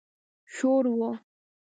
شور و.